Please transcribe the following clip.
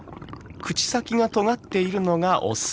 口先がとがっているのがオス。